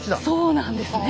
そうなんですね！